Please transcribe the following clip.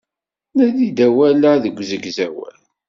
Nadi-d awal-a deg usegzawal.